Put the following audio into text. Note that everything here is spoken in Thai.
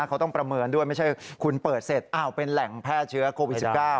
เขาต้องประเมินด้วยไม่ใช่คุณเปิดเสร็จอ้าวเป็นแหล่งแพร่เชื้อโควิด๑๙